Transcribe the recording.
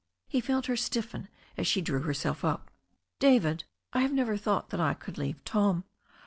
He felt her stiffen as she drew herself up. "David, I have never thought that I could leave Tom.